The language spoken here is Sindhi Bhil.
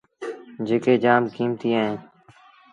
جيڪي جآم ڪيمتيٚ اهين۔